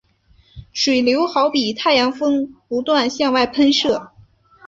水流好比太阳风不断向外喷射。